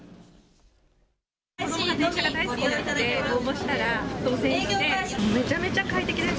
子どもが電車が大好きなので、応募したら当せんして、めちゃめちゃ快適です。